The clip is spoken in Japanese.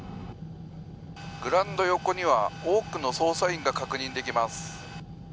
グラウンド横には多くの捜査員が確認できます。